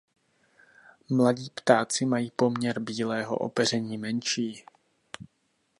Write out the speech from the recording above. Mladí ptáci mají poměr bílého opeření menší.